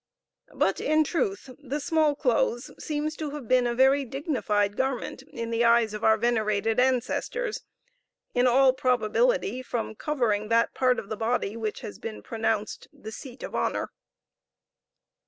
But, in truth, the small clothes seems to have been a very dignified garment in the eyes of our venerated ancestors, in all probability from its covering that part of the body which has been pronounced "the seat of honor."